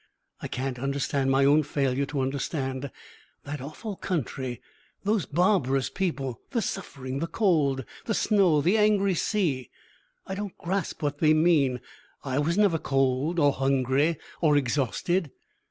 I can't understand my own failure to understand. That awful country, those barbarous people, the suffering, the cold, the snow, the angry sea; I don't grasp what they mean. I was never cold, or hungry, or exhausted.